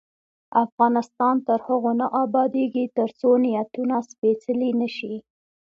افغانستان تر هغو نه ابادیږي، ترڅو نیتونه سپیڅلي نشي.